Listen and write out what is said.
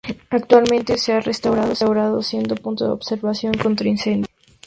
Actualmente se ha restaurado, siendo punto de observación contra incendios.